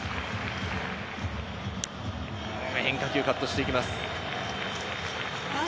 変化球、カットしていきます。